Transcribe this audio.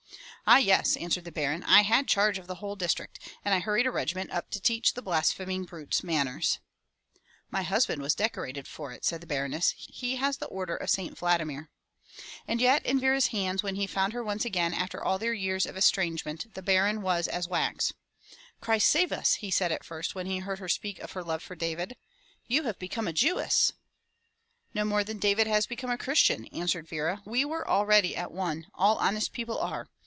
"Ah yes," answered the Baron. "I had charge of the whole district and I hurried a regiment up to teach the blaspheming brutes manners." 204 k FROM THE TOWER WINDOW "My husband was decorated for it,'* said the Baroness, "he has the order of St. Vladimir/' And yet in Vera's hands when he found her once again after all their years of estrangement, the Baron was as wax/' "Christ save us!" he said at first when he heard her speak of her love for David. "You have become a Jewess." "No more than David has become a Christian," answered Vera. "We were already at one. All honest people are.